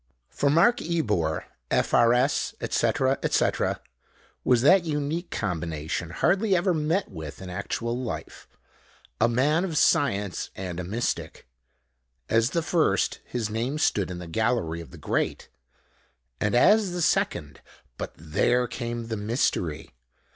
For Mark Ebor, F.R.S., etc., etc., was that unique combination hardly ever met with in actual life, a man of science and a mystic. As the first, his name stood in the gallery of the great, and as the second but there came the mystery!